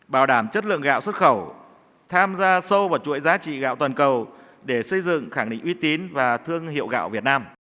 bảo đảm chất lượng gạo xuất khẩu tham gia sâu vào chuỗi giá trị gạo toàn cầu để xây dựng khẳng định uy tín và thương hiệu gạo việt nam